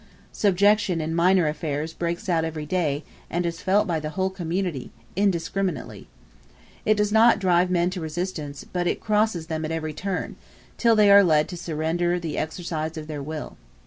Subjection in minor affairs breaks out every day, and is felt by the whole community indiscriminately. It does not drive men to resistance, but it crosses them at every turn, till they are led to surrender the exercise of their will.